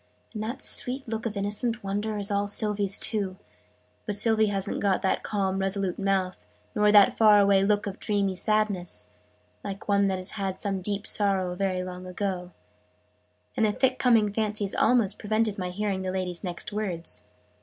"And that sweet look of innocent wonder is all Sylvie's too. But Sylvie hasn't got that calm resolute mouth nor that far away look of dreamy sadness, like one that has had some deep sorrow, very long ago " And the thick coming fancies almost prevented my hearing the lady's next words.